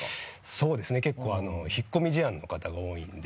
そうですね結構引っ込み思案の方が多いので。